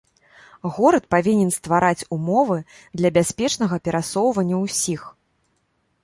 Горад павінен ствараць умовы для бяспечнага перасоўвання ўсіх.